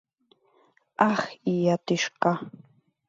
— Ах, ия тӱшка!